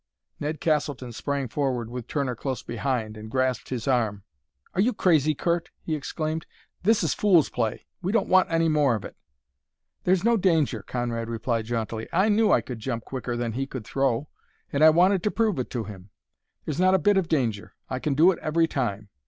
Ned Castleton sprang forward, with Turner close behind, and grasped his arm. "Are you crazy, Curt?" he exclaimed. "This is fool's play! We don't want any more of it!" "There's no danger," Conrad replied jauntily. "I knew I could jump quicker than he could throw, and I wanted to prove it to him. There's not a bit of danger; I can do it every time.